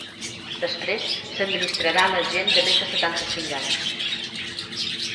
Després, s’administrarà a la gent de més de setanta-cinc anys.